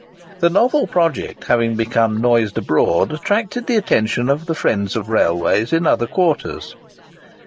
The novel project having become noised abroad, attracted the attention of the friends of railways in other quarters.